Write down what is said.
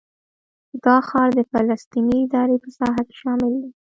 دا ښار د فلسطیني ادارې په ساحه کې شامل دی.